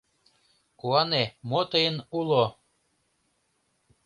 Куане, мо тыйын уло!